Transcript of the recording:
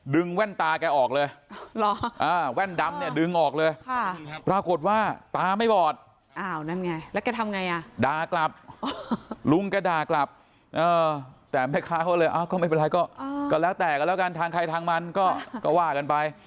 ดึงแว่นตาแกออกเลย